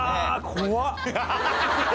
怖っ！